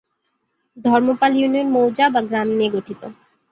Dharmapala union মৌজা/গ্রাম নিয়ে গঠিত।